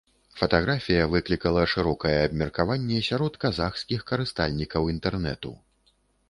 Фатаграфія выклікала шырокае абмеркаванне сярод казахскіх карыстальнікаў інтэрнэту.